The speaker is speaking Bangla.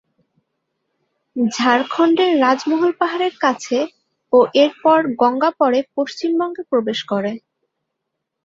ঝাড়খন্ডের রাজমহল পাহাড়ের কাছে ও এর পর গঙ্গা পরে পশ্চিমবঙ্গে প্রবেশ করে।